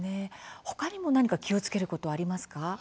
ほかにも、何か気をつけることはありますか。